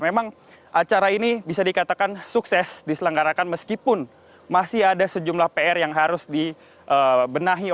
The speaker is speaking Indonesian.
memang acara ini bisa dikatakan sukses diselenggarakan meskipun masih ada sejumlah pr yang harus dibenahi